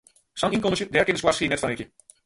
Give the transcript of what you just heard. Sa'n ynkommentsje, dêr kin de skoarstien net fan rikje.